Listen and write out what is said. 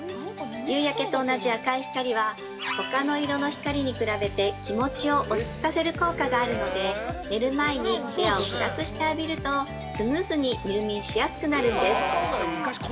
夕焼けと同じ赤い光はほかの色の光に比べて気持ちを落ちつかせる効果があるので寝る前に部屋を暗くしてあびるとスムーズに入眠しやすくなるんです。